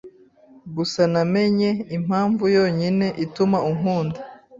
Gusa namenye impamvu yonyine ituma unkunda